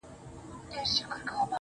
والله د لري ، لري تماشه به مـې کــــوله